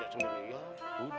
saya kerja sendiri